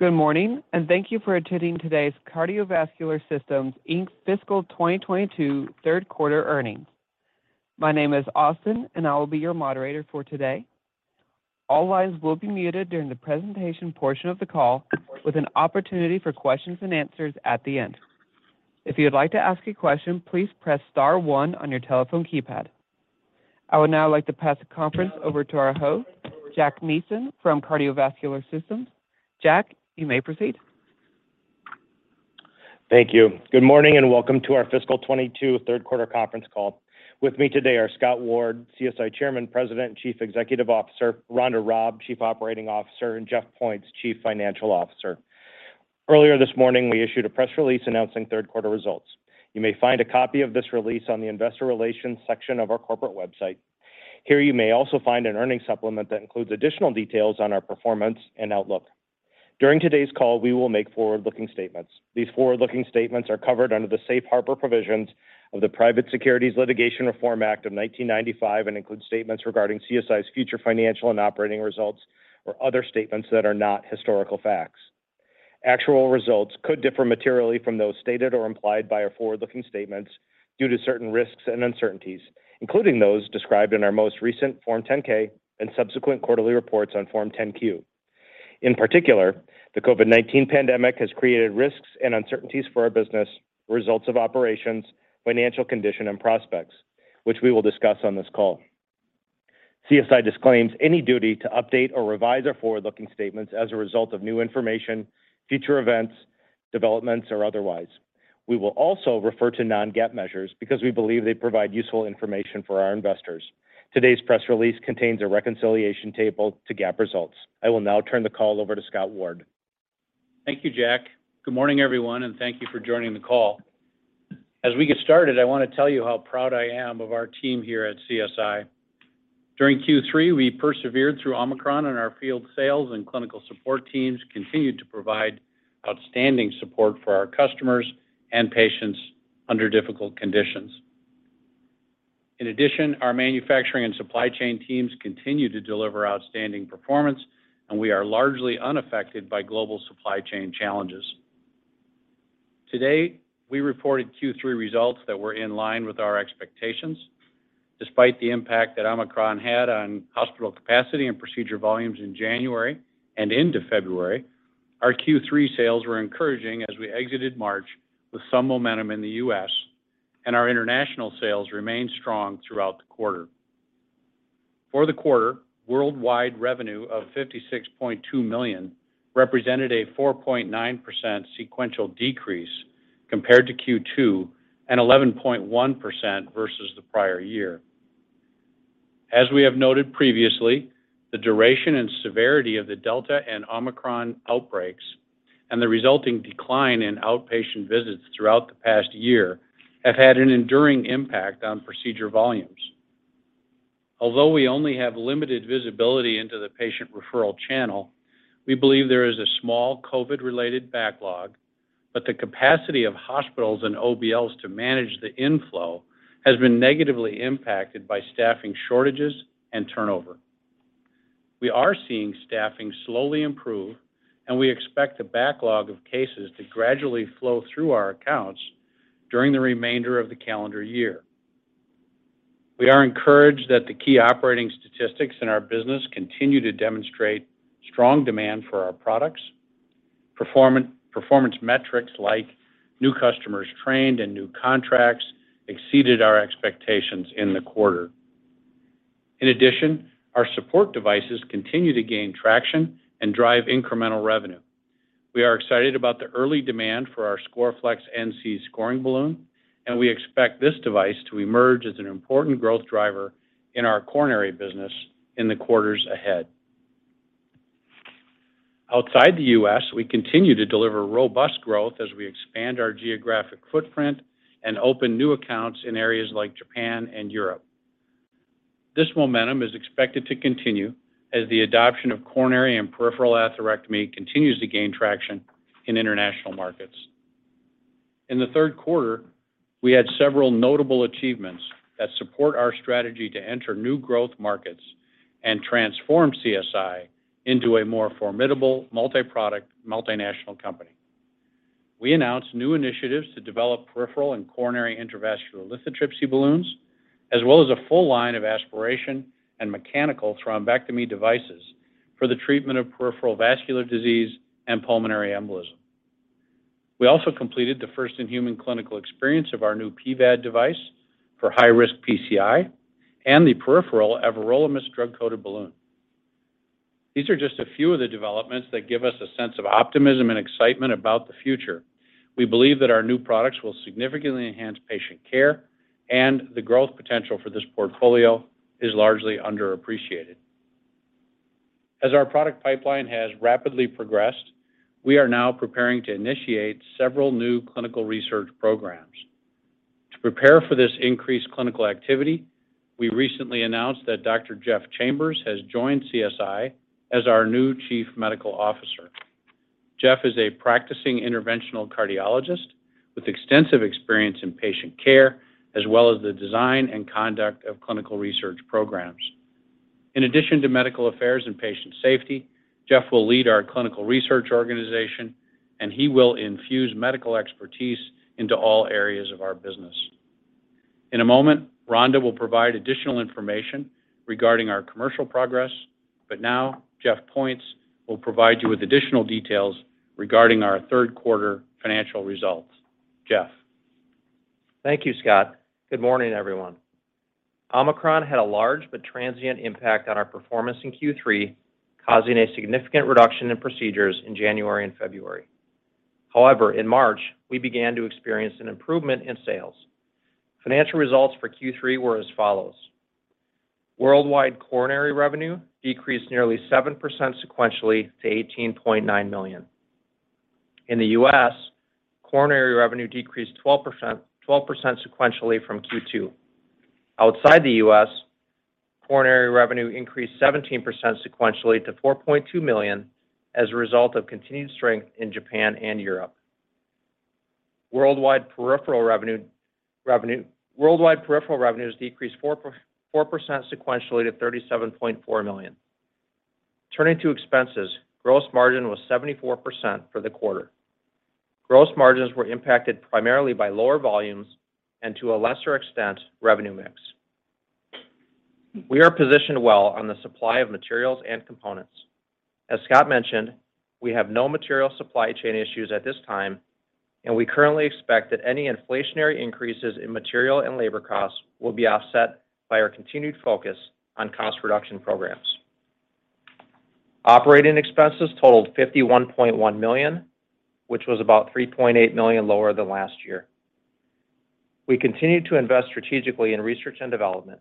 Good morning, and thank you for attending today's Cardiovascular Systems, Inc. fiscal 2022 third quarter earnings. My name is Austin, and I will be your moderator for today. All lines will be muted during the presentation portion of the call, with an opportunity for questions and answers at the end. If you'd like to ask a question, please press star one on your telephone keypad. I would now like to pass the conference over to our host, Jack Nielsen from Cardiovascular Systems. Jack, you may proceed. Thank you. Good morning, and welcome to our fiscal 2022 third quarter conference call. With me today are Scott Ward, CSI Chairman, President, and Chief Executive Officer; Rhonda Robb, Chief Operating Officer; and Jeff Points, Chief Financial Officer. Earlier this morning, we issued a press release announcing third quarter results. You may find a copy of this release on the investor relations section of our corporate website. Here you may also find an earnings supplement that includes additional details on our performance and outlook. During today's call, we will make forward-looking statements. These forward-looking statements are covered under the Safe Harbor Provisions of the Private Securities Litigation Reform Act of 1995 and include statements regarding CSI's future financial and operating results or other statements that are not historical facts. Actual results could differ materially from those stated or implied by our forward-looking statements due to certain risks and uncertainties, including those described in our most recent Form 10-K and subsequent quarterly reports on Form 10-Q. In particular, the COVID-19 pandemic has created risks and uncertainties for our business, results of operations, financial condition and prospects, which we will discuss on this call. CSI disclaims any duty to update or revise our forward-looking statements as a result of new information, future events, developments, or otherwise. We will also refer to non-GAAP measures because we believe they provide useful information for our investors. Today's press release contains a reconciliation table to GAAP results. I will now turn the call over to Scott Ward. Thank you, Jack. Good morning, everyone, and thank you for joining the call. As we get started, I want to tell you how proud I am of our team here at CSI. During Q3, we persevered through Omicron and our field sales and clinical support teams continued to provide outstanding support for our customers and patients under difficult conditions. In addition, our manufacturing and supply chain teams continue to deliver outstanding performance, and we are largely unaffected by global supply chain challenges. Today, we reported Q3 results that were in line with our expectations. Despite the impact that Omicron had on hospital capacity and procedure volumes in January and into February, our Q3 sales were encouraging as we exited March with some momentum in the U.S., and our international sales remained strong throughout the quarter. For the quarter, worldwide revenue of $56.2 million represented a 4.9% sequential decrease compared to Q2 and 11.1% versus the prior year. As we have noted previously, the duration and severity of the Delta and Omicron outbreaks and the resulting decline in outpatient visits throughout the past year have had an enduring impact on procedure volumes. Although we only have limited visibility into the patient referral channel, we believe there is a small COVID-related backlog, but the capacity of hospitals and OBLs to manage the inflow has been negatively impacted by staffing shortages and turnover. We are seeing staffing slowly improve, and we expect the backlog of cases to gradually flow through our accounts during the remainder of the calendar year. We are encouraged that the key operating statistics in our business continue to demonstrate strong demand for our products. Performance metrics like new customers trained and new contracts exceeded our expectations in the quarter. In addition, our support devices continue to gain traction and drive incremental revenue. We are excited about the early demand for our Scoreflex NC scoring balloon, and we expect this device to emerge as an important growth driver in our coronary business in the quarters ahead. Outside the U.S., we continue to deliver robust growth as we expand our geographic footprint and open new accounts in areas like Japan and Europe. This momentum is expected to continue as the adoption of coronary and peripheral atherectomy continues to gain traction in international markets. In the third quarter, we had several notable achievements that support our strategy to enter new growth markets and transform CSI into a more formidable multiproduct, multinational company. We announced new initiatives to develop peripheral and coronary intravascular lithotripsy balloons, as well as a full line of aspiration and mechanical thrombectomy devices for the treatment of peripheral vascular disease and pulmonary embolism. We also completed the first in-human clinical experience of our new pVAD device for high-risk PCI and the peripheral Everolimus drug-coated balloon. These are just a few of the developments that give us a sense of optimism and excitement about the future. We believe that our new products will significantly enhance patient care and the growth potential for this portfolio is largely underappreciated. As our product pipeline has rapidly progressed, we are now preparing to initiate several new clinical research programs. To prepare for this increased clinical activity, we recently announced that Dr. Jeff Chambers has joined CSI as our new Chief Medical Officer. Jeff is a practicing interventional cardiologist with extensive experience in patient care as well as the design and conduct of clinical research programs. In addition to medical affairs and patient safety, Jeff will lead our clinical research organization, and he will infuse medical expertise into all areas of our business. In a moment, Rhonda will provide additional information regarding our commercial progress. Now Jeff Points will provide you with additional details regarding our third quarter financial results. Jeff. Thank you, Scott. Good morning, everyone. Omicron had a large but transient impact on our performance in Q3, causing a significant reduction in procedures in January and February. However, in March, we began to experience an improvement in sales. Financial results for Q3 were as follows. Worldwide coronary revenue decreased nearly 7% sequentially to $18.9 million. In the U.S., coronary revenue decreased 12% sequentially from Q2. Outside the U.S., coronary revenue increased 17% sequentially to $4.2 million as a result of continued strength in Japan and Europe. Worldwide peripheral revenues decreased 4% sequentially to $37.4 million. Turning to expenses, gross margin was 74% for the quarter. Gross margins were impacted primarily by lower volumes and, to a lesser extent, revenue mix. We are positioned well on the supply of materials and components. As Scott mentioned, we have no material supply chain issues at this time, and we currently expect that any inflationary increases in material and labor costs will be offset by our continued focus on cost reduction programs. Operating expenses totaled $51.1 million, which was about $3.8 million lower than last year. We continued to invest strategically in research and development.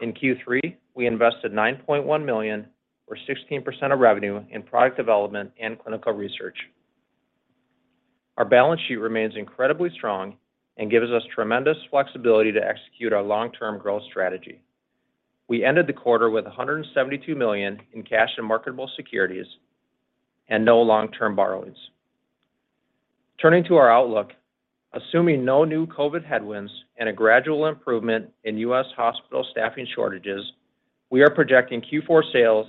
In Q3, we invested $9.1 million, or 16% of revenue, in product development and clinical research. Our balance sheet remains incredibly strong and gives us tremendous flexibility to execute our long-term growth strategy. We ended the quarter with $172 million in cash and marketable securities and no long-term borrowings. Turning to our outlook, assuming no new COVID headwinds and a gradual improvement in US hospital staffing shortages, we are projecting Q4 sales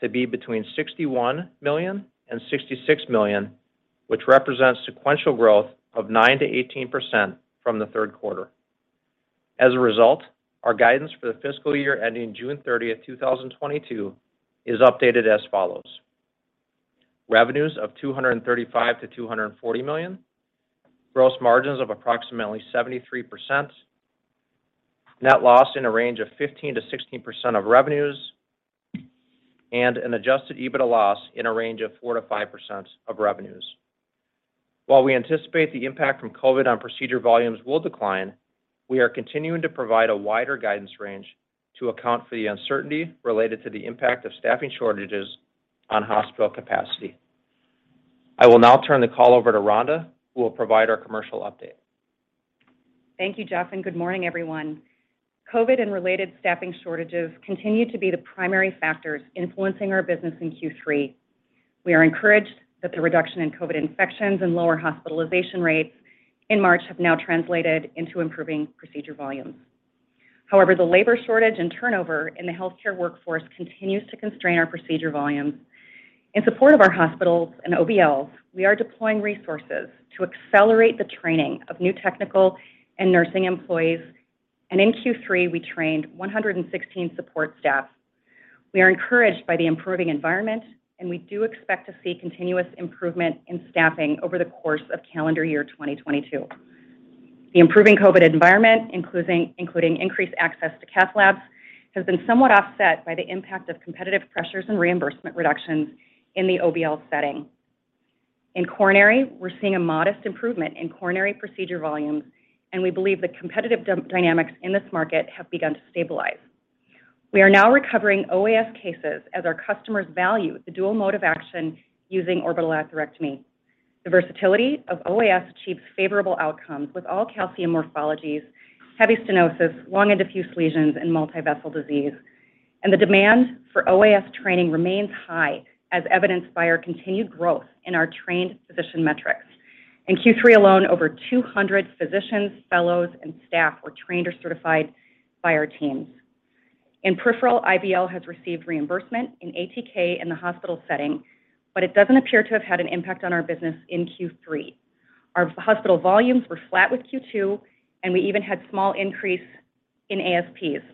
to be between $61 million and $66 million, which represents sequential growth of 9%-18% from the third quarter. As a result, our guidance for the fiscal year ending June 30, 2022 is updated as follows, revenues of $235 million-$240 million, gross margins of approximately 73%, net loss in a range of 15%-16% of revenues, and an adjusted EBITDA loss in a range of 4%-5% of revenues. While we anticipate the impact from COVID on procedure volumes will decline, we are continuing to provide a wider guidance range to account for the uncertainty related to the impact of staffing shortages on hospital capacity. I will now turn the call over to Rhonda, who will provide our commercial update. Thank you, Jeff, and good morning, everyone. COVID and related staffing shortages continue to be the primary factors influencing our business in Q3. We are encouraged that the reduction in COVID infections and lower hospitalization rates in March have now translated into improving procedure volumes. However, the labor shortage and turnover in the healthcare workforce continues to constrain our procedure volumes. In support of our hospitals and OBLs, we are deploying resources to accelerate the training of new technical and nursing employees. In Q3, we trained 116 support staff. We are encouraged by the improving environment, and we do expect to see continuous improvement in staffing over the course of calendar year 2022. The improving COVID environment, including increased access to cath labs, has been somewhat offset by the impact of competitive pressures and reimbursement reductions in the OBL setting. In coronary, we're seeing a modest improvement in coronary procedure volumes, and we believe the competitive dynamics in this market have begun to stabilize. We are now recovering OAS cases as our customers value the dual mode of action using orbital atherectomy. The versatility of OAS achieves favorable outcomes with all calcium morphologies, heavy stenosis, long and diffuse lesions, and multi-vessel disease. The demand for OAS training remains high, as evidenced by our continued growth in our trained physician metrics. In Q3 alone, over 200 physicians, fellows, and staff were trained or certified by our teams. In peripheral, IVL has received reimbursement in ATK in the hospital setting, but it doesn't appear to have had an impact on our business in Q3. Our hospital volumes were flat with Q2, and we even had small increase in ASPs.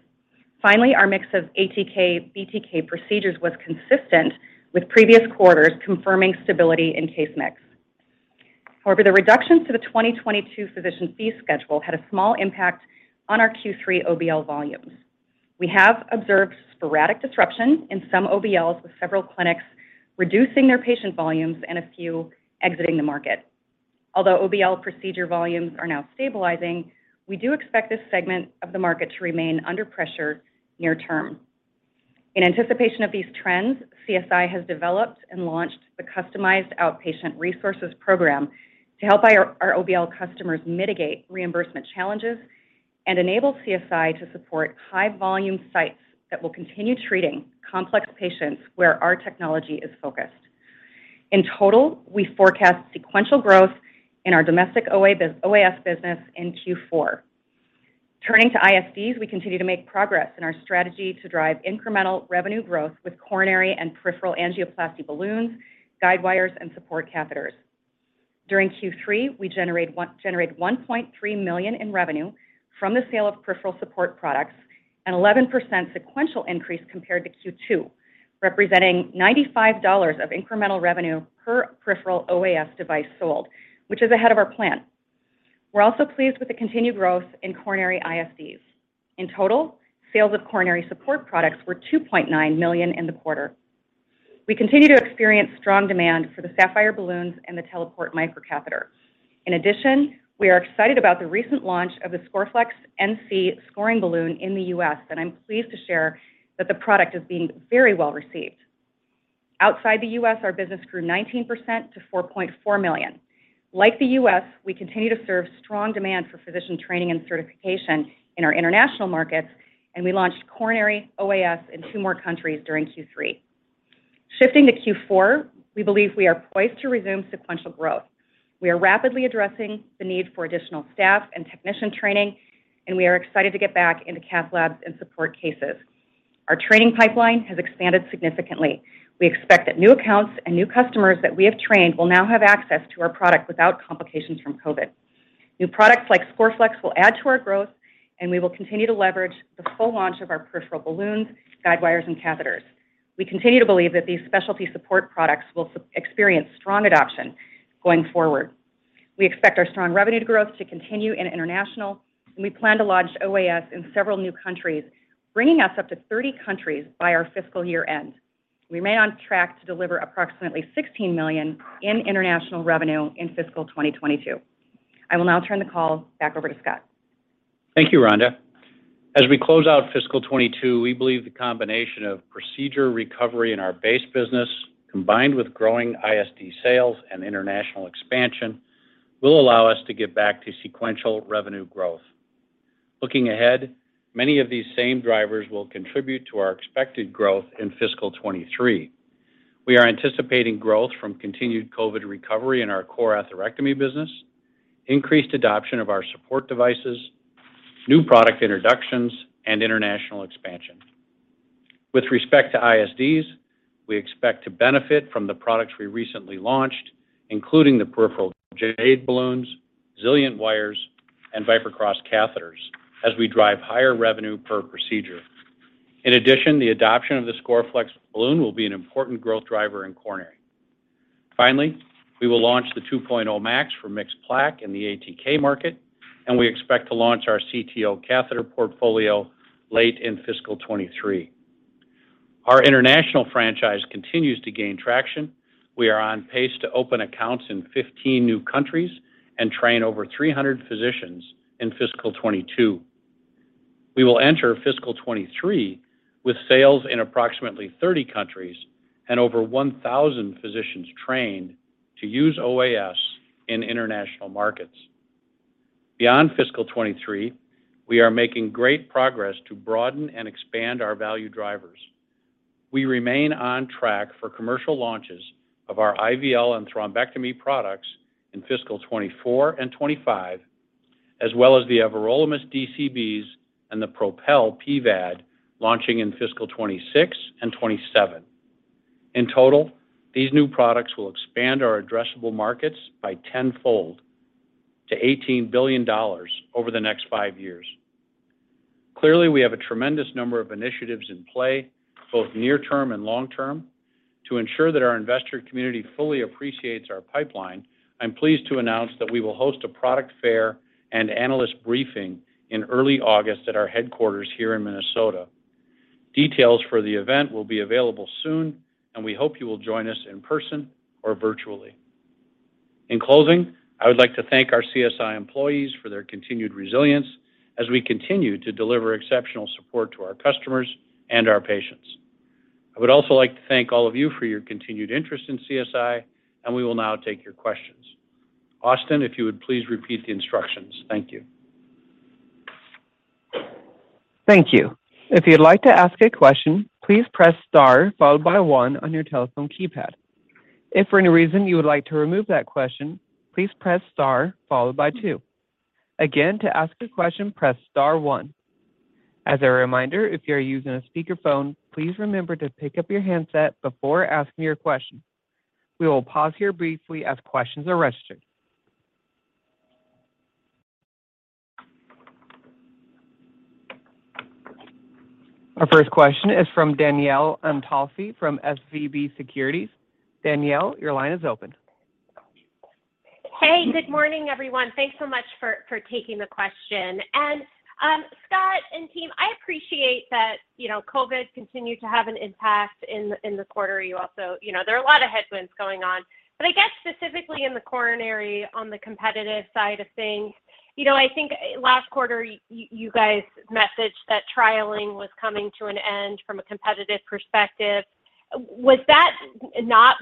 Finally, our mix of ATK/BTK procedures was consistent with previous quarters, confirming stability in case mix. However, the reductions to the 2022 physician fee schedule had a small impact on our Q3 OBL volumes. We have observed sporadic disruption in some OBLs, with several clinics reducing their patient volumes and a few exiting the market. Although OBL procedure volumes are now stabilizing, we do expect this segment of the market to remain under pressure near term. In anticipation of these trends, CSI has developed and launched the Customized Outpatient Resources Program to help our OBL customers mitigate reimbursement challenges and enable CSI to support high-volume sites that will continue treating complex patients where our technology is focused. In total, we forecast sequential growth in our domestic OAS business in Q4. Turning to ISDs, we continue to make progress in our strategy to drive incremental revenue growth with coronary and peripheral angioplasty balloons, guide wires, and support catheters. During Q3, we generated $1.3 million in revenue from the sale of peripheral support products, an 11% sequential increase compared to Q2, representing $95 of incremental revenue per peripheral OAS device sold, which is ahead of our plan. We're also pleased with the continued growth in coronary ISDs. In total, sales of coronary support products were $2.9 million in the quarter. We continue to experience strong demand for the Sapphire balloons and the Teleport microcatheter. In addition, we are excited about the recent launch of the Scoreflex NC scoring balloon in the U.S., and I'm pleased to share that the product is being very well received. Outside the U.S., our business grew 19% to $4.4 million. Like the U.S., we continue to serve strong demand for physician training and certification in our international markets, and we launched coronary OAS in two more countries during Q3. Shifting to Q4, we believe we are poised to resume sequential growth. We are rapidly addressing the need for additional staff and technician training, and we are excited to get back into cath labs and support cases. Our training pipeline has expanded significantly. We expect that new accounts and new customers that we have trained will now have access to our product without complications from COVID. New products like Scoreflex will add to our growth, and we will continue to leverage the full launch of our peripheral balloons, guide wires, and catheters. We continue to believe that these specialty support products will experience strong adoption going forward. We expect our strong revenue growth to continue in international, and we plan to launch OAS in several new countries, bringing us up to 30 countries by our fiscal year-end. We remain on track to deliver approximately $16 million in international revenue in fiscal 2022. I will now turn the call back over to Scott. Thank you, Rhonda. As we close out fiscal 2022, we believe the combination of procedure recovery in our base business, combined with growing ISD sales and international expansion, will allow us to get back to sequential revenue growth. Looking ahead, many of these same drivers will contribute to our expected growth in fiscal 2023. We are anticipating growth from continued COVID recovery in our core atherectomy business, increased adoption of our support devices, new product introductions, and international expansion. With respect to ISDs, we expect to benefit from the products we recently launched, including the peripheral JADE balloons, ZILIENT wires, and ViperCross catheters as we drive higher revenue per procedure. In addition, the adoption of the Scoreflex balloon will be an important growth driver in coronary. Finally, we will launch the 2.0 Max for mixed plaque in the ATK market, and we expect to launch our CTO catheter portfolio late in fiscal 2023. Our international franchise continues to gain traction. We are on pace to open accounts in 15 new countries and train over 300 physicians in fiscal 2022. We will enter fiscal 2023 with sales in approximately 30 countries and over 1,000 physicians trained to use OAS in international markets. Beyond fiscal 2023, we are making great progress to broaden and expand our value drivers. We remain on track for commercial launches of our IVL and thrombectomy products in fiscal 2024 and 2025, as well as the Everolimus DCBs and the Propel pVAD launching in fiscal 2026 and 2027. In total, these new products will expand our addressable markets by tenfold to $18 billion over the next five years. Clearly, we have a tremendous number of initiatives in play, both near term and long term. To ensure that our investor community fully appreciates our pipeline, I'm pleased to announce that we will host a product fair and analyst briefing in early August at our headquarters here in Minnesota. Details for the event will be available soon, and we hope you will join us in person or virtually. In closing, I would like to thank our CSI employees for their continued resilience as we continue to deliver exceptional support to our customers and our patients. I would also like to thank all of you for your continued interest in CSI, and we will now take your questions. Austin, if you would please repeat the instructions. Thank you. Thank you. If you'd like to ask a question, please press star followed by one on your telephone keypad. If for any reason you would like to remove that question, please press star followed by two. Again, to ask a question, press star one. As a reminder, if you are using a speakerphone, please remember to pick up your handset before asking your question. We will pause here briefly as questions are registered. Our first question is from Danielle Antalffy from SVB Securities. Danielle, your line is open. Hey, good morning, everyone. Thanks so much for taking the question. Scott and team, I appreciate that, you know, COVID continued to have an impact in the quarter. You know, there are a lot of headwinds going on. I guess specifically in the coronary on the competitive side of things, you know, I think last quarter you guys messaged that trialing was coming to an end from a competitive perspective. Did that not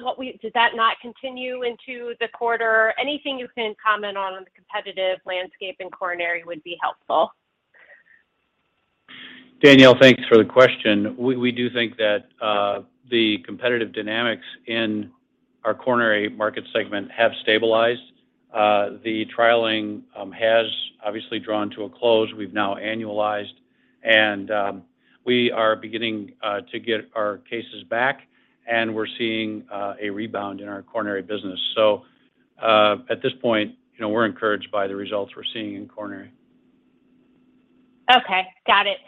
continue into the quarter? Anything you can comment on the competitive landscape in coronary would be helpful. Danielle, thanks for the question. We do think that the competitive dynamics in our coronary market segment have stabilized. The trialing has obviously drawn to a close. We've now annualized, and we are beginning to get our cases back, and we're seeing a rebound in our coronary business. At this point, you know, we're encouraged by the results we're seeing in coronary. Okay. Got it.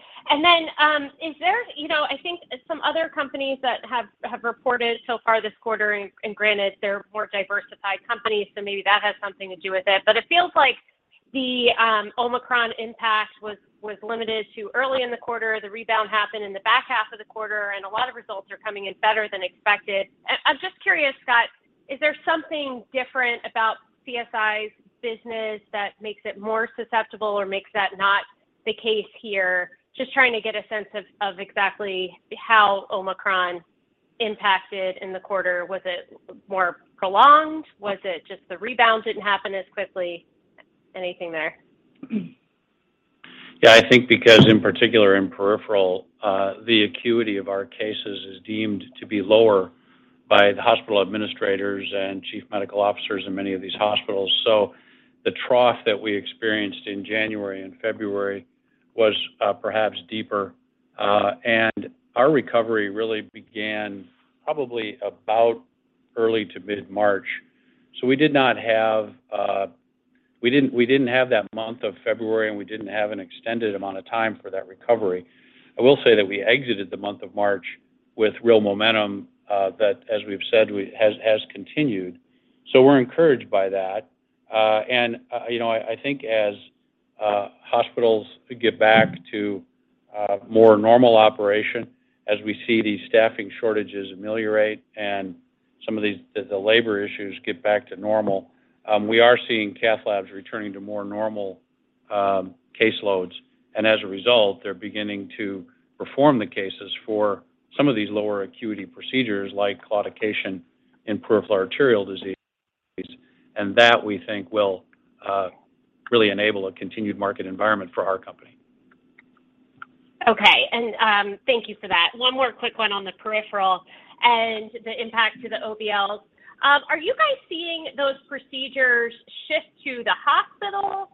Is there? You know, I think some other companies that have reported so far this quarter and granted, they're more diversified companies, so maybe that has something to do with it. It feels like the Omicron impact was limited to early in the quarter. The rebound happened in the back half of the quarter, and a lot of results are coming in better than expected. I'm just curious, Scott, is there something different about CSI's business that makes it more susceptible or makes that not the case here? Just trying to get a sense of exactly how Omicron impacted in the quarter. Was it more prolonged? Was it just the rebound didn't happen as quickly? Anything there? Yeah. I think because in particular in peripheral, the acuity of our cases is deemed to be lower by the hospital administrators and chief medical officers in many of these hospitals. The trough that we experienced in January and February was perhaps deeper. Our recovery really began probably about early to mid-March. We didn't have that month of February, and we didn't have an extended amount of time for that recovery. I will say that we exited the month of March with real momentum that as we've said has continued. We're encouraged by that. You know, I think as hospitals get back to more normal operation, as we see these staffing shortages ameliorate and some of these, the labor issues get back to normal, we are seeing cath labs returning to more normal case loads. As a result, they're beginning to perform the cases for some of these lower acuity procedures like claudication and peripheral arterial disease. That, we think, will really enable a continued market environment for our company. Thank you for that. One more quick one on the peripheral and the impact to the OBLs. Are you guys seeing those procedures shift to the hospital,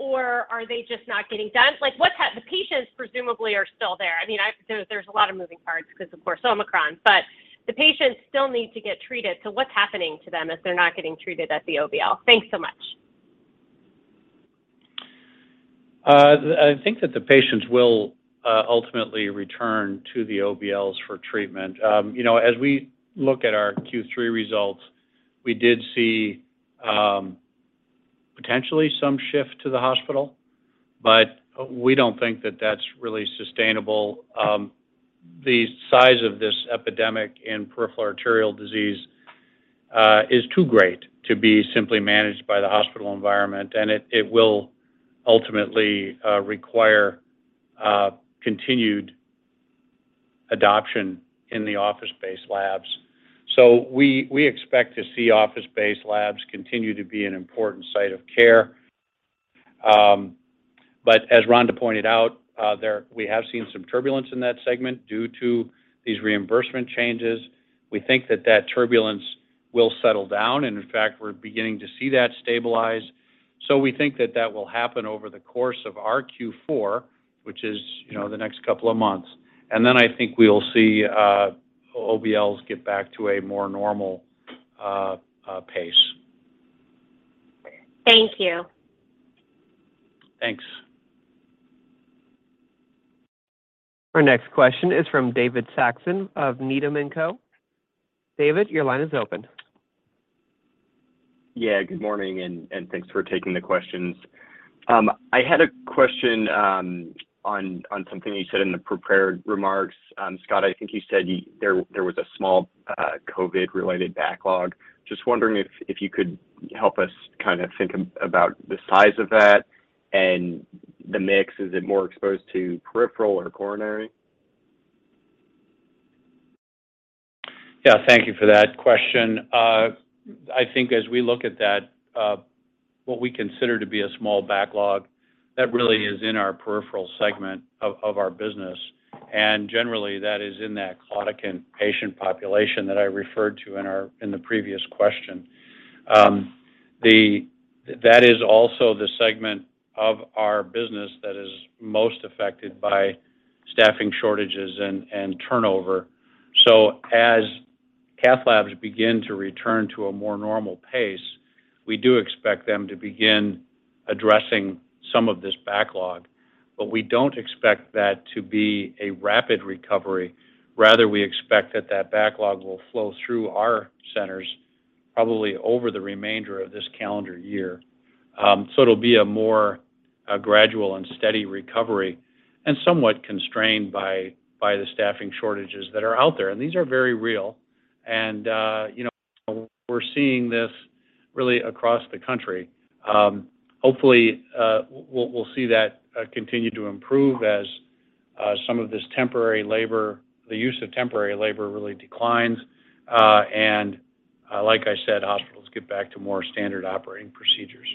or are they just not getting done? Like, what's happening to the patients? They presumably are still there. I mean, there's a lot of moving parts because, of course, Omicron. The patients still need to get treated, so what's happening to them if they're not getting treated at the OBL? Thanks so much. I think that the patients will ultimately return to the OBLs for treatment. You know, as we look at our Q3 results, we did see potentially some shift to the hospital. We don't think that that's really sustainable. The size of this epidemic in peripheral arterial disease is too great to be simply managed by the hospital environment, and it will ultimately require continued adoption in the office-based labs. We expect to see office-based labs continue to be an important site of care. As Rhonda pointed out, there we have seen some turbulence in that segment due to these reimbursement changes. We think that turbulence will settle down, and in fact, we're beginning to see that stabilize. We think that will happen over the course of our Q4, which is, you know, the next couple of months. Then I think we'll see OBLs get back to a more normal pace. Thank you. Thanks. Our next question is from David Saxon of Needham & Company. David, your line is open. Yeah. Good morning, and thanks for taking the questions. I had a question on something you said in the prepared remarks. Scott, I think you said there was a small COVID-related backlog. Just wondering if you could help us kind of think about the size of that and the mix. Is it more exposed to peripheral or coronary? Yeah. Thank you for that question. I think as we look at that, what we consider to be a small backlog, that really is in our peripheral segment of our business. Generally, that is in that claudicant patient population that I referred to in the previous question. That is also the segment of our business that is most affected by staffing shortages and turnover. Cath labs begin to return to a more normal pace, we do expect them to begin addressing some of this backlog. We don't expect that to be a rapid recovery. Rather, we expect that backlog will flow through our centers probably over the remainder of this calendar year. It'll be a more gradual and steady recovery and somewhat constrained by the staffing shortages that are out there. These are very real. You know, we're seeing this really across the country. Hopefully, we'll see that continue to improve as some of this use of temporary labor really declines, and like I said, hospitals get back to more standard operating procedures.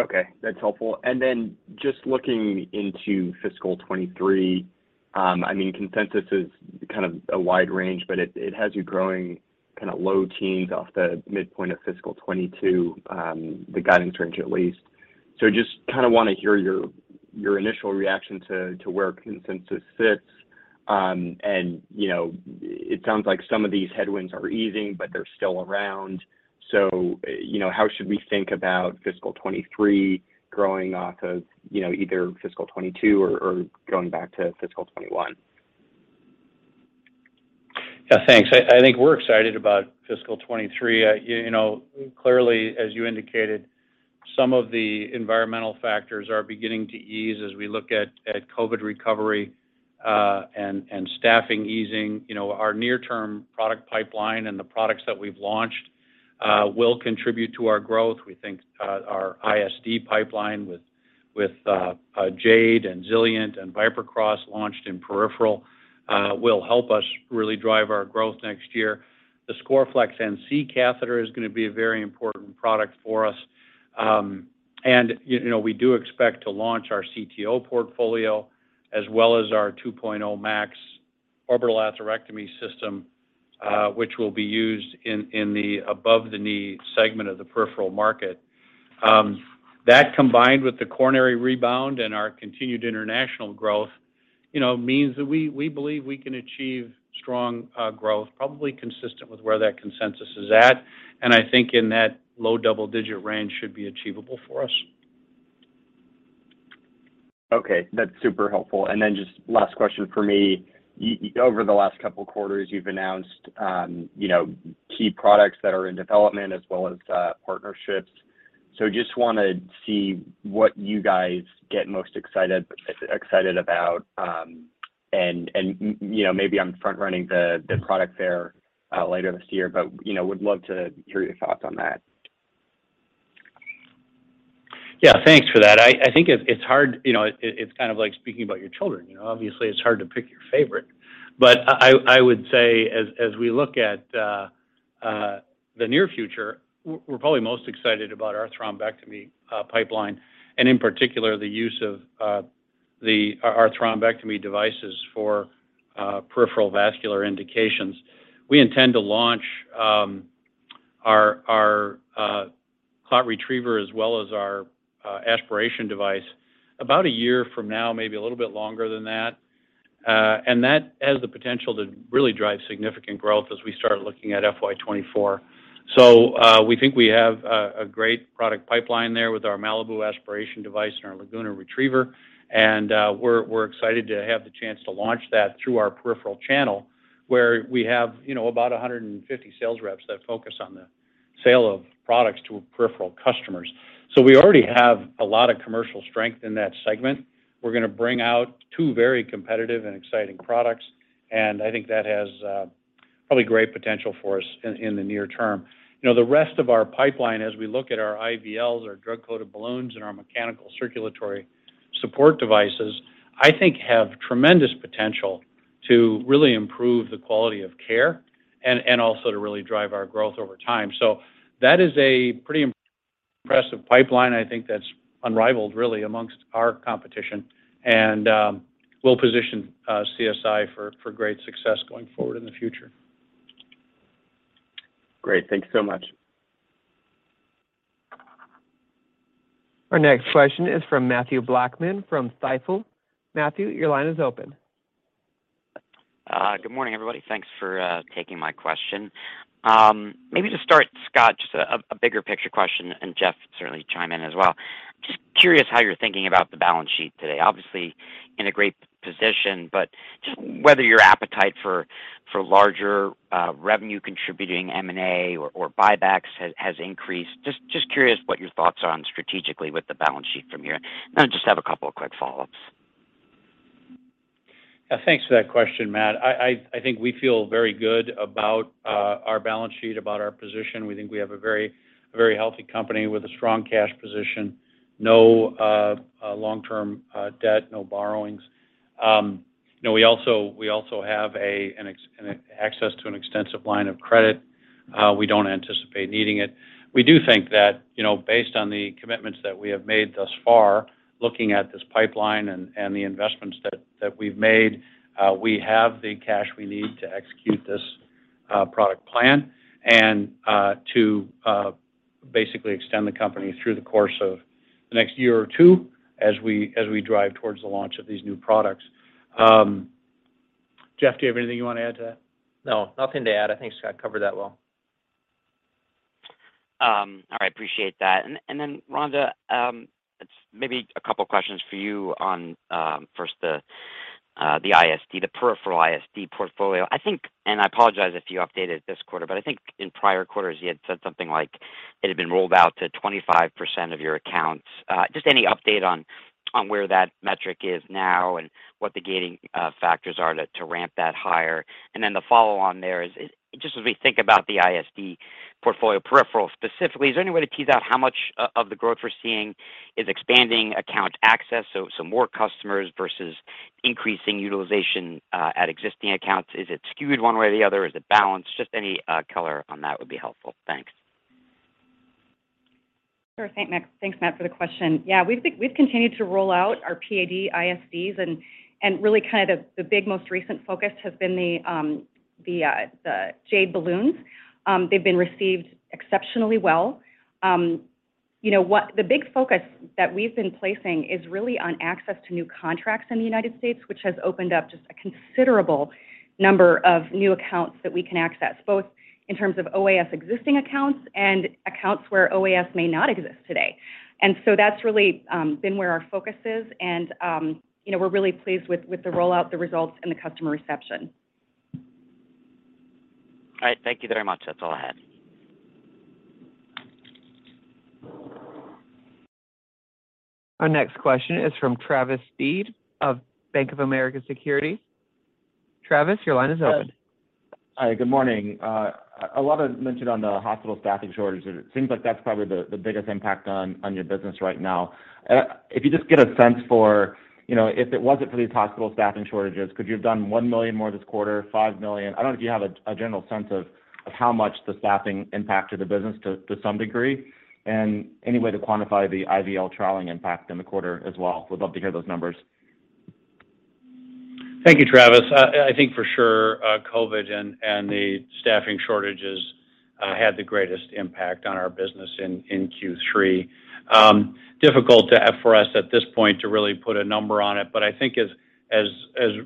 Okay, that's helpful. Then just looking into fiscal 2023, I mean, consensus is kind of a wide range, but it has you growing kinda low teens off the midpoint of fiscal 2022, the guidance range at least. Just kinda wanna hear your initial reaction to where consensus sits, and you know, it sounds like some of these headwinds are easing, but they're still around. You know, how should we think about fiscal 2023 growing off of either fiscal 2022 or going back to fiscal 2021? Yeah, thanks. I think we're excited about fiscal 2023. You know, clearly, as you indicated, some of the environmental factors are beginning to ease as we look at COVID recovery and staffing easing. You know, our near-term product pipeline and the products that we've launched will contribute to our growth. We think our ISD pipeline with JADE and ZILIENT and ViperCross launched in peripheral will help us really drive our growth next year. The Scoreflex NC catheter is gonna be a very important product for us. You know, we do expect to launch our CTO portfolio as well as our 2.00 Max Crown orbital atherectomy system, which will be used in the above-the-knee segment of the peripheral market. That combined with the coronary rebound and our continued international growth, you know, means that we believe we can achieve strong growth, probably consistent with where that consensus is at. I think in that low double-digit range should be achievable for us. Okay, that's super helpful. Just last question from me. Over the last couple quarters, you've announced, you know, key products that are in development as well as partnerships. I wanna see what you guys get most excited about. You know, maybe I'm front-running the product fair later this year, would love to hear your thoughts on that. Yeah. Thanks for that. I think it's hard, you know. It's kind of like speaking about your children, you know? Obviously, it's hard to pick your favorite. I would say as we look at the near future, we're probably most excited about our thrombectomy pipeline, and in particular, the use of our thrombectomy devices for peripheral vascular indications. We intend to launch our clot retriever as well as our aspiration device about a year from now, maybe a little bit longer than that. That has the potential to really drive significant growth as we start looking at FY 2024. We think we have a great product pipeline there with our Malibu aspiration device and our Laguna retriever. We're excited to have the chance to launch that through our peripheral channel, where we have, you know, about 150 sales reps that focus on the sale of products to peripheral customers. We already have a lot of commercial strength in that segment. We're gonna bring out two very competitive and exciting products, and I think that has probably great potential for us in the near term. You know, the rest of our pipeline as we look at our IVLs, our drug-coated balloons, and our mechanical circulatory support devices, I think have tremendous potential to really improve the quality of care and also to really drive our growth over time. That is a pretty impressive pipeline, I think, that's unrivaled really amongst our competition and will position CSI for great success going forward in the future. Great. Thank you so much. Our next question is from Mathew Blackman from Stifel. Mathew, your line is open. Good morning, everybody. Thanks for taking my question. Maybe to start, Scott, a bigger picture question, and Jeff certainly chime in as well. Just curious how you're thinking about the balance sheet today. Obviously in a great position, but just whether your appetite for larger revenue contributing M&A or buybacks has increased. Just curious what your thoughts are on strategically with the balance sheet from here. I just have a couple of quick follow-ups. Thanks for that question, Matt. I think we feel very good about our balance sheet, about our position. We think we have a very healthy company with a strong cash position, no long-term debt, no borrowings. You know, we also have access to an extensive line of credit. We don't anticipate needing it. We do think that, you know, based on the commitments that we have made thus far, looking at this pipeline and the investments that we've made, we have the cash we need to execute this product plan and to basically extend the company through the course of the next year or two as we drive towards the launch of these new products. Jeff, do you have anything you wanna add to that? No, nothing to add. I think Scott covered that well. All right. Appreciate that. Rhonda, it's maybe a couple questions for you on first the ISD, the peripheral ISD portfolio. I think, and I apologize if you updated it this quarter, but I think in prior quarters you had said something like it had been rolled out to 25% of your accounts. Just any update on where that metric is now and what the gating factors are to ramp that higher? The follow on there is just as we think about the ISD. Portfolio peripheral specifically. Is there any way to tease out how much of the growth we're seeing is expanding account access, so more customers versus increasing utilization at existing accounts? Is it skewed one way or the other? Is it balanced? Just any color on that would be helpful. Thanks. Sure thing, Matthew. Thanks, Matthew, for the question. Yeah, we've continued to roll out our PAD ISDs and really kind of the big, most recent focus has been the JADE balloons. They've been received exceptionally well. You know what? The big focus that we've been placing is really on access to new contracts in the United States, which has opened up just a considerable number of new accounts that we can access, both in terms of OAS existing accounts and accounts where OAS may not exist today. That's really been where our focus is. You know, we're really pleased with the rollout, the results and the customer reception. All right. Thank you very much. That's all I had. Our next question is from Travis Steed of BofA Securities. Travis, your line is open. Hi, good morning. A lot of mention on the hospital staffing shortages, and it seems like that's probably the biggest impact on your business right now. If you just get a sense for, you know, if it wasn't for these hospital staffing shortages, could you have done $1 million more this quarter, $5 million? I don't know if you have a general sense of how much the staffing impacted the business to some degree. Any way to quantify the IVL trialing impact in the quarter as well. Would love to hear those numbers. Thank you, Travis. I think for sure, COVID and the staffing shortages had the greatest impact on our business in Q3. Difficult for us at this point to really put a number on it. I think as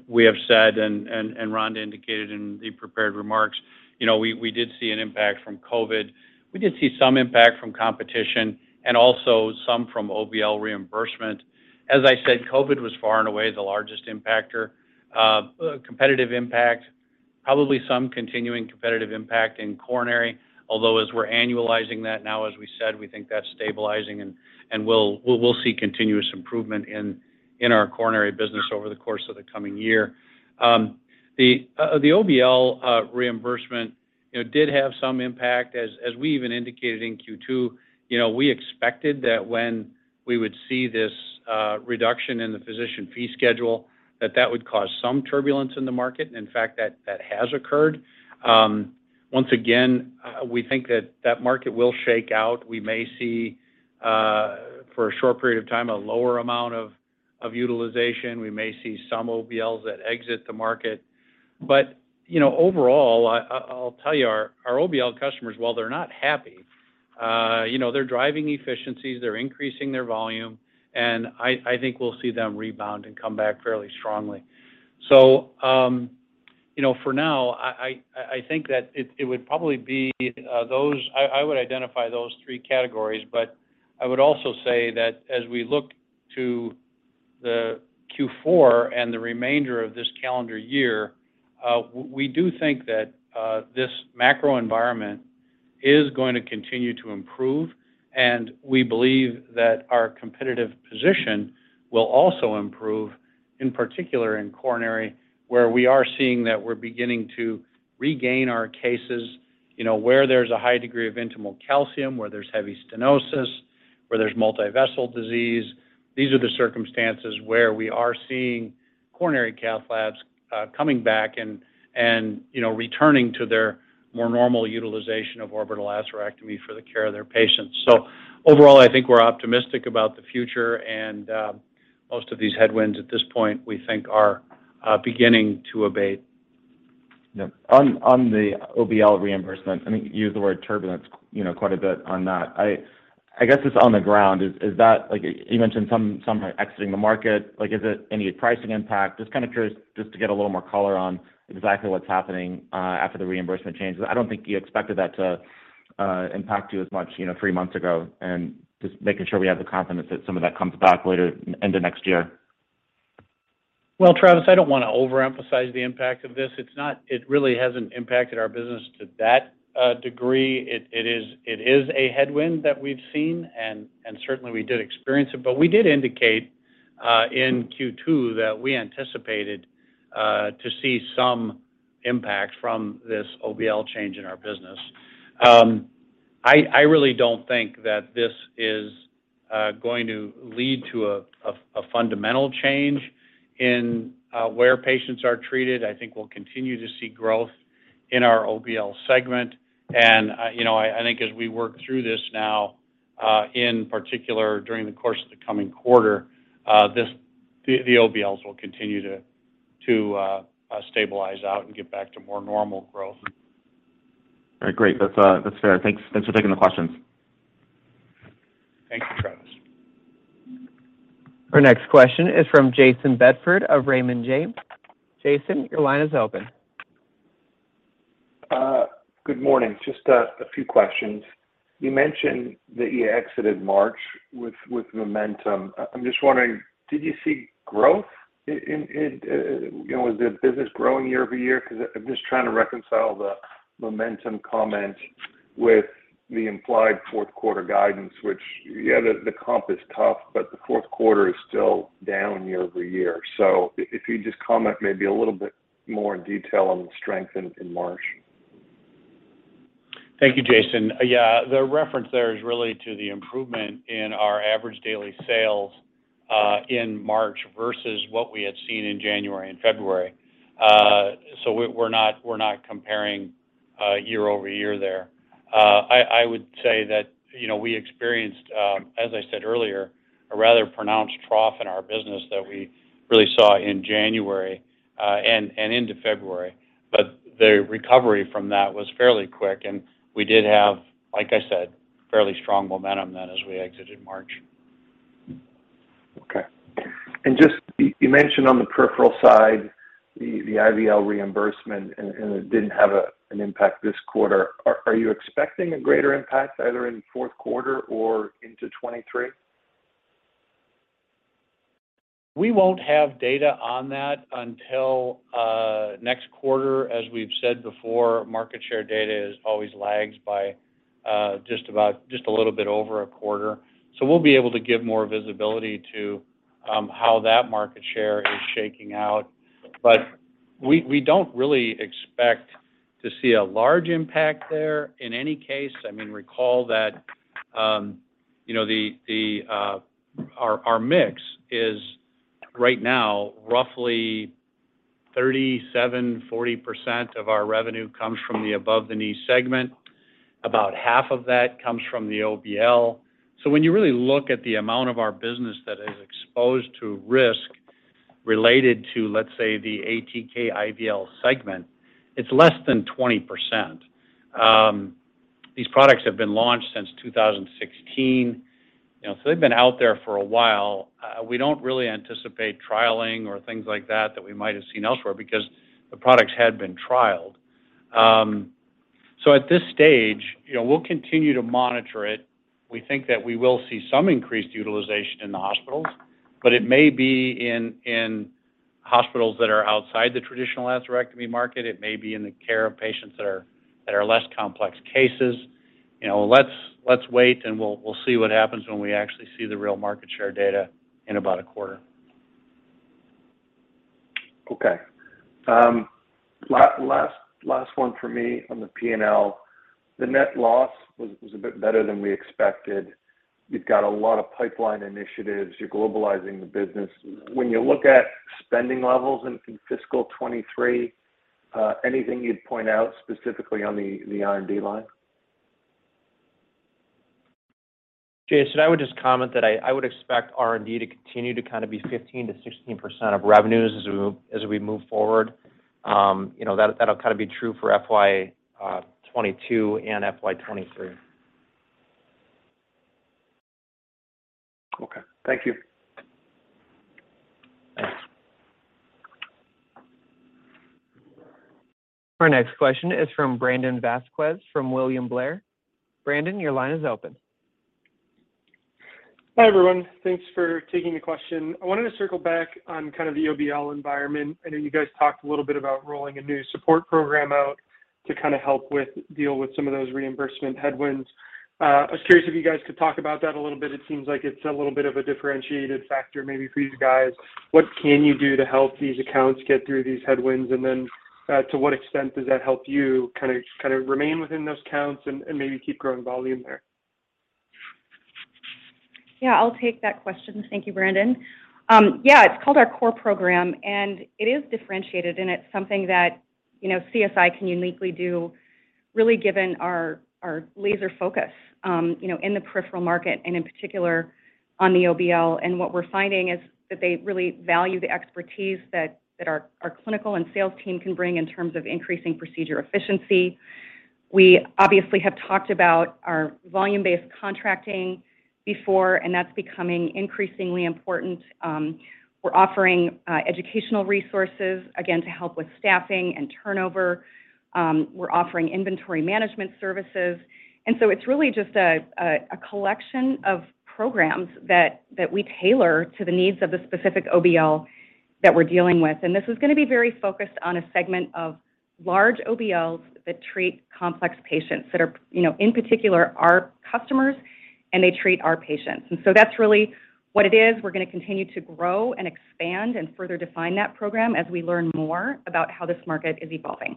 we have said and Rhonda indicated in the prepared remarks, you know, we did see an impact from COVID. We did see some impact from competition and also some from OBL reimbursement. As I said, COVID was far and away the largest impactor. Competitive impact, probably some continuing competitive impact in coronary. Although as we're annualizing that now, as we said, we think that's stabilizing and we'll see continuous improvement in our coronary business over the course of the coming year. The OBL reimbursement, you know, did have some impact. As we even indicated in Q2, you know, we expected that when we would see this reduction in the physician fee schedule, that that would cause some turbulence in the market, and in fact, that has occurred. Once again, we think that that market will shake out. We may see for a short period of time, a lower amount of utilization. We may see some OBLs that exit the market. You know, overall, I'll tell you, our OBL customers, while they're not happy, you know, they're driving efficiencies, they're increasing their volume, and I think we'll see them rebound and come back fairly strongly. You know, for now, I think that it would probably be those. I would identify those three categories. I would also say that as we look to the Q4 and the remainder of this calendar year, we do think that this macro environment is going to continue to improve, and we believe that our competitive position will also improve, in particular in coronary, where we are seeing that we're beginning to regain our cases. You know, where there's a high degree of intimal calcium, where there's heavy stenosis, where there's multi-vessel disease, these are the circumstances where we are seeing coronary cath labs coming back and, you know, returning to their more normal utilization of orbital atherectomy for the care of their patients. Overall, I think we're optimistic about the future, and most of these headwinds at this point, we think are beginning to abate. Yeah. On the OBL reimbursement, I think you used the word turbulence, you know, quite a bit on that. I guess just on the ground, is that like you mentioned some are exiting the market. Like, is it any pricing impact? Just kind of curious just to get a little more color on exactly what's happening after the reimbursement changes. I don't think you expected that to impact you as much, you know, three months ago. Just making sure we have the confidence that some of that comes back later in the end of next year. Well, Travis, I don't wanna overemphasize the impact of this. It really hasn't impacted our business to that degree. It is a headwind that we've seen, and certainly we did experience it. We did indicate in Q2 that we anticipated to see some impact from this OBL change in our business. I really don't think that this is going to lead to a fundamental change in where patients are treated. I think we'll continue to see growth in our OBL segment. You know, I think as we work through this now, in particular during the course of the coming quarter, the OBLs will continue to stabilize out and get back to more normal growth. All right, great. That's fair. Thanks for taking the questions. Thank you, Travis. Our next question is from Jayson Bedford of Raymond James. Jayson, your line is open. Good morning. Just a few questions. You mentioned that you exited March with momentum. I'm just wondering, did you see growth? You know, was the business growing year-over-year? Because I'm just trying to reconcile the momentum comment with The implied fourth quarter guidance, which yeah the comp is tough, but the fourth quarter is still down year-over-year. If you just comment maybe a little bit more in detail on the strength in March. Thank you, Jayson. Yeah. The reference there is really to the improvement in our average daily sales in March versus what we had seen in January and February. We're not comparing year-over-year there. I would say that, you know, we experienced, as I said earlier, a rather pronounced trough in our business that we really saw in January and into February. The recovery from that was fairly quick, and we did have, like I said, fairly strong momentum then as we exited March. Okay. Just you mentioned on the peripheral side the IVL reimbursement and it didn't have an impact this quarter. Are you expecting a greater impact either in fourth quarter or into 2023? We won't have data on that until next quarter. As we've said before, market share data always lags by just about a little bit over a quarter. We'll be able to give more visibility to how that market share is shaking out. We don't really expect to see a large impact there in any case. I mean, recall that, you know, the our mix is right now roughly 37-40% of our revenue comes from the above-the-knee segment. About half of that comes from the OBL. When you really look at the amount of our business that is exposed to risk related to, let's say, the ATK IVL segment, it's less than 20%. These products have been launched since 2016. You know, they've been out there for a while. We don't really anticipate trialing or things like that we might have seen elsewhere because the products had been trialed. At this stage, you know, we'll continue to monitor it. We think that we will see some increased utilization in the hospitals, but it may be in hospitals that are outside the traditional atherectomy market. It may be in the care of patients that are less complex cases. You know, let's wait, and we'll see what happens when we actually see the real market share data in about a quarter. Okay. Last one for me on the P&L. The net loss was a bit better than we expected. You've got a lot of pipeline initiatives. You're globalizing the business. When you look at spending levels in fiscal 2023, anything you'd point out specifically on the R&D line? Jayson, I would just comment that I would expect R&D to continue to kind of be 15%-16% of revenues as we move forward. You know, that'll kind of be true for FY 2022 and FY 2023. Okay. Thank you. Thanks. Our next question is from Brandon Vazquez from William Blair. Brandon, your line is open. Hi, everyone. Thanks for taking the question. I wanted to circle back on kind of the OBL environment. I know you guys talked a little bit about rolling a new support program out to kind of deal with some of those reimbursement headwinds. I was curious if you guys could talk about that a little bit. It seems like it's a little bit of a differentiated factor maybe for you guys. What can you do to help these accounts get through these headwinds? To what extent does that help you kind of remain within those counts and maybe keep growing volume there? Yeah, I'll take that question. Thank you, Brandon. Yeah, it's called our core program, and it is differentiated, and it's something that, you know, CSI can uniquely do really given our laser focus, you know, in the peripheral market and in particular on the OBL. What we're finding is that they really value the expertise that our clinical and sales team can bring in terms of increasing procedure efficiency. We obviously have talked about our volume-based contracting before, and that's becoming increasingly important. We're offering educational resources, again, to help with staffing and turnover. We're offering inventory management services. It's really just a collection of programs that we tailor to the needs of the specific OBL that we're dealing with. This is gonna be very focused on a segment of large OBLs that treat complex patients that are, you know, in particular our customers, and they treat our patients. That's really what it is. We're gonna continue to grow and expand and further define that program as we learn more about how this market is evolving.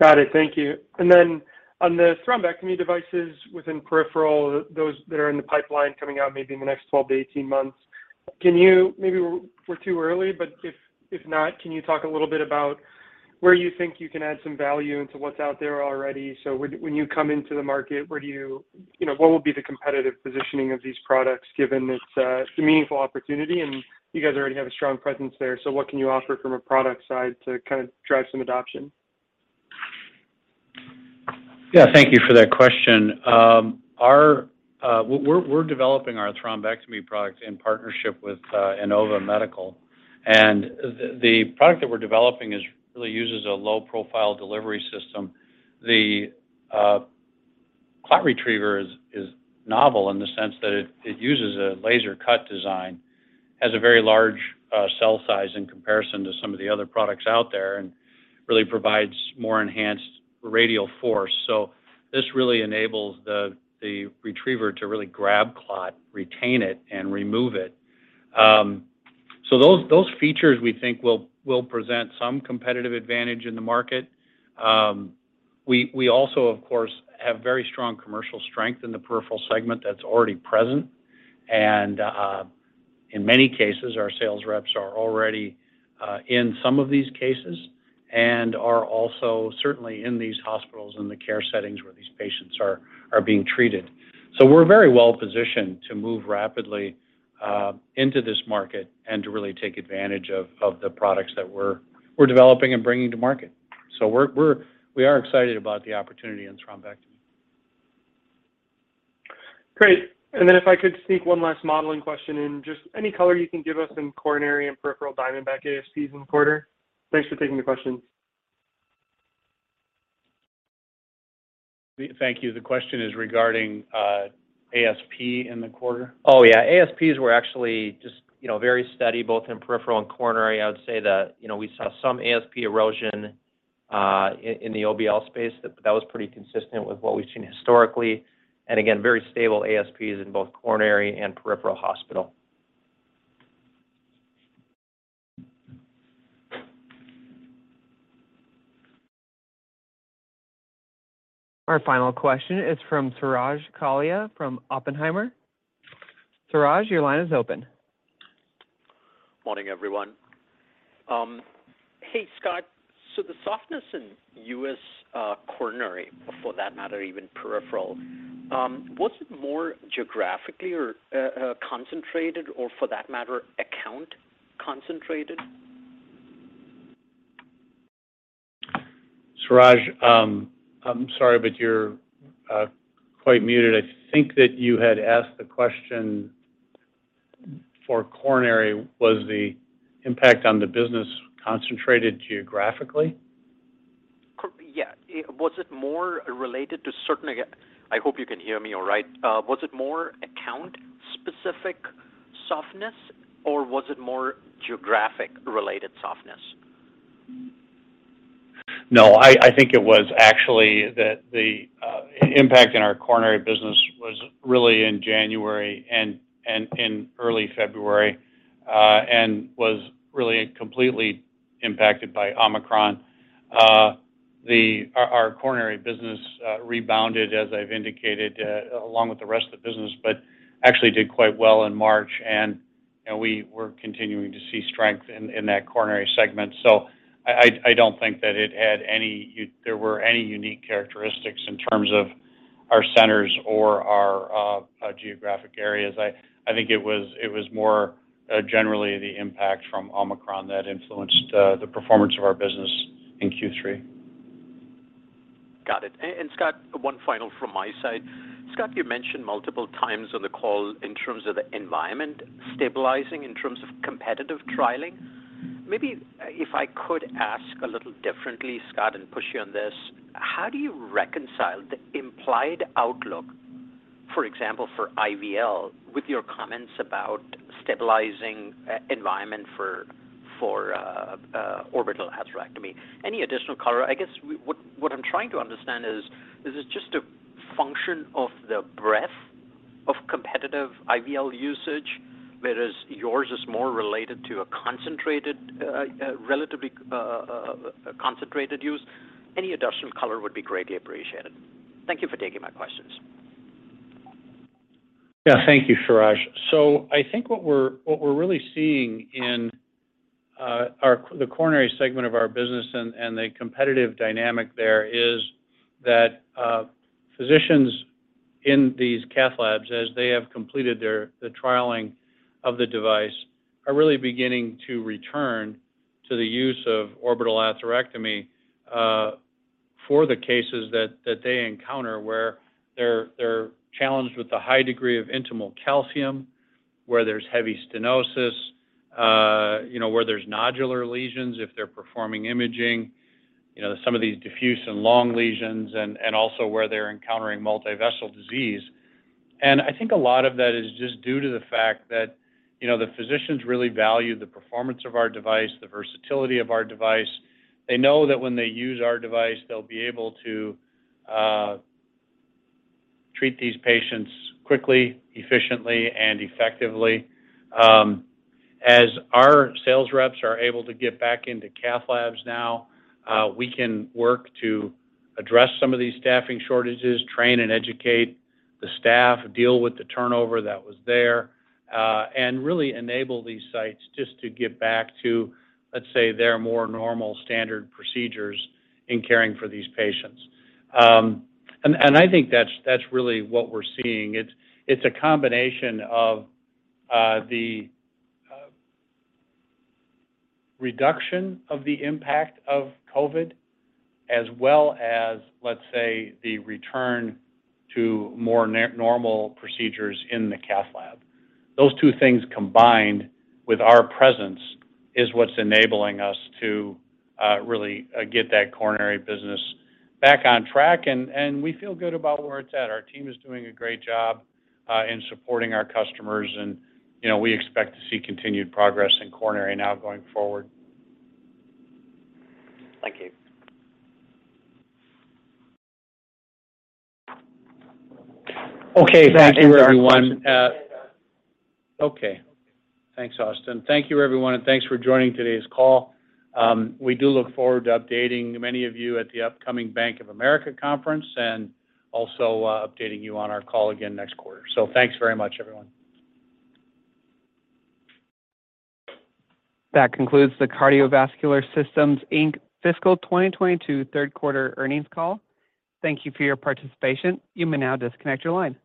Got it. Thank you. Then on the thrombectomy devices within peripheral, those that are in the pipeline coming out maybe in the next 12-18 months, can you? Maybe we're too early, but if not, can you talk a little bit about where you think you can add some value into what's out there already? When you come into the market, where do you? You know, what will be the competitive positioning of these products given it's a meaningful opportunity, and you guys already have a strong presence there. What can you offer from a product side to kind of drive some adoption? Yeah. Thank you for that question. We're developing our thrombectomy product in partnership with Inari Medical. The product that we're developing really uses a low-profile delivery system. The Clot Retriever is novel in the sense that it uses a laser-cut design. It has a very large cell size in comparison to some of the other products out there, and really provides more enhanced radial force. This really enables the Retriever to really grab clot, retain it, and remove it. Those features we think will present some competitive advantage in the market. We also of course have very strong commercial strength in the peripheral segment that's already present. In many cases our sales reps are already in some of these cases and are also certainly in these hospitals in the care settings where these patients are being treated. We're very well-positioned to move rapidly into this market and to really take advantage of the products that we're developing and bringing to market. We are excited about the opportunity in thrombectomy. Great. If I could sneak one last modeling question in. Just any color you can give us in coronary and peripheral Diamondback ASPs in the quarter? Thanks for taking the questions. We thank you. The question is regarding ASP in the quarter? Oh, yeah. ASPs were actually just, you know, very steady both in peripheral and coronary. I would say that, you know, we saw some ASP erosion in the OBL space. That was pretty consistent with what we've seen historically. Again, very stable ASPs in both coronary and peripheral hospital. Our final question is from Suraj Kalia from Oppenheimer. Suraj, your line is open. Morning, everyone. Hey, Scott. The softness in U.S. coronary, or for that matter even peripheral, was it more geographically or concentrated or for that matter account concentrated? Suraj, I'm sorry, but you're quite muted. I think that you had asked the question for coronary, was the impact on the business concentrated geographically? Yeah. I hope you can hear me all right. Was it more account-specific softness or was it more geographic-related softness? No, I think it was actually that the impact in our coronary business was really in January and in early February, and was really completely impacted by Omicron. Our coronary business rebounded as I've indicated, along with the rest of the business, but actually did quite well in March and, you know, we're continuing to see strength in that coronary segment. I don't think that there were any unique characteristics in terms of our centers or our geographic areas. I think it was more generally the impact from Omicron that influenced the performance of our business in Q3. Got it. Scott, one final from my side. Scott, you mentioned multiple times on the call in terms of the environment stabilizing, in terms of competitive trialing. Maybe if I could ask a little differently, Scott, and push you on this. How do you reconcile the implied outlook, for example, for IVL, with your comments about stabilizing environment for orbital atherectomy? Any additional color? I guess what I'm trying to understand is it just a function of the breadth of competitive IVL usage whereas yours is more related to a relatively concentrated use? Any additional color would be greatly appreciated. Thank you for taking my questions. Yeah. Thank you, Suraj. I think what we're really seeing in our coronary segment of our business and the competitive dynamic there is that physicians in these cath labs, as they have completed their trialing of the device, are really beginning to return to the use of orbital atherectomy for the cases that they encounter where they're challenged with the high degree of intimal calcium. Where there's heavy stenosis, you know, where there's nodular lesions if they're performing imaging. You know, some of these diffuse and long lesions and also where they're encountering multi-vessel disease. I think a lot of that is just due to the fact that, you know, the physicians really value the performance of our device, the versatility of our device. They know that when they use our device they'll be able to treat these patients quickly, efficiently, and effectively. As our sales reps are able to get back into cath labs now, we can work to address some of these staffing shortages, train and educate the staff, deal with the turnover that was there, and really enable these sites just to get back to, let's say, their more normal standard procedures in caring for these patients. I think that's really what we're seeing. It's a combination of the reduction of the impact of COVID as well as, let's say, the return to more normal procedures in the cath lab. Those two things combined with our presence is what's enabling us to really get that coronary business back on track. We feel good about where it's at. Our team is doing a great job in supporting our customers and, you know, we expect to see continued progress in coronary now going forward. Thank you. Thanks, Austin. Thank you, everyone, and thanks for joining today's call. We do look forward to updating many of you at the upcoming Bank of America conference and also updating you on our call again next quarter. Thanks very much, everyone. That concludes the Cardiovascular Systems, Inc. fiscal 2022 third quarter earnings call. Thank you for your participation. You may now disconnect your line.